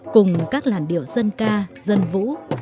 cùng các làn điệu dân ca dân vũ